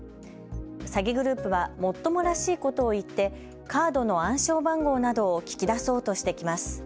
詐欺グループはもっともらしいことを言ってカードの暗証番号などを聞き出そうとしてきます。